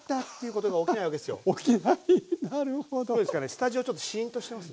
スタジオちょっとシーンとしてます？